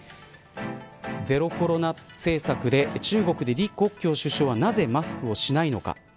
ゼロコロナ政策で中国で李克強首相はなぜマスクをしないのか。